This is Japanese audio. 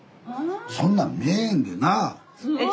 そんなん見えへんで。なあ？